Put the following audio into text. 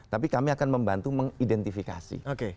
tapi kami akan membantu mengidentifikasi